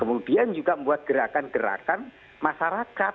kemudian juga membuat gerakan gerakan masyarakat